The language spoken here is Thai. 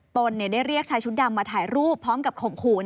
ตนได้เรียกชายชุดดำมาถ่ายรูปพร้อมกับข่มขู่